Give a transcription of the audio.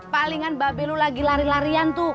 palingan babe lu lagi lari larian tuh